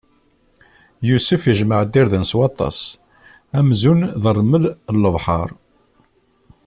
Yusef ijemɛ-d irden s waṭas, amzun d ṛṛmel n lebḥeṛ.